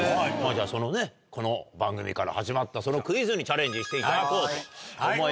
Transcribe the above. じゃあそのこの番組から始まったそのクイズにチャレンジしていただこうと思います。